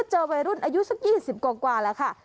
เจอวัยรุ่นอายุสัก๒๐กว่าแล้วค่ะ